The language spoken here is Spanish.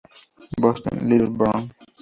Boston: Little, Brown.